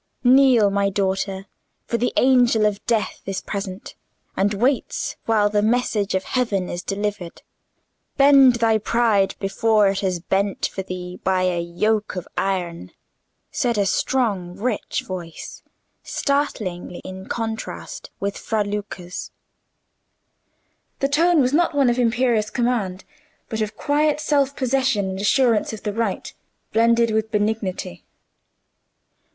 "Kneel, my daughter, for the Angel of Death is present, and waits while the message of heaven is delivered: bend thy pride before it is bent for thee by a yoke of iron," said a strong rich voice, startlingly in contrast with Fra Luca's. The tone was not that of imperious command, but of quiet self possession and assurance of the right, blended with benignity.